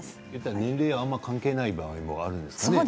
年齢あまり関係ない場合もあるんですね。